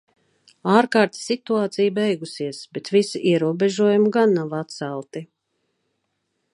Ārkārtas situācija beigusies, bet visi ierobežojumi gan nav atcelti.